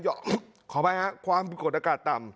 ขออภัยครับความกดอากาศต่ำ